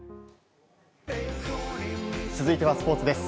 続いてはスポーツです。